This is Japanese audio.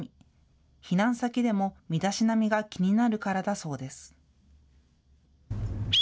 避難先でも身だしなみが気になるからだそうです。